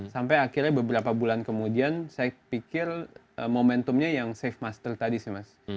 sampai akhirnya beberapa bulan kemudian saya pikir momentumnya yang safe master tadi sih mas